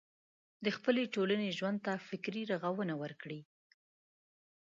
د خپلې ټولنې ژوند ته فکري روغونه ورکړي.